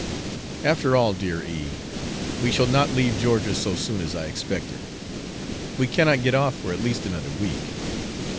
After all, dear E , we shall not leave Georgia so soon as I expected; we cannot get off for at least another week.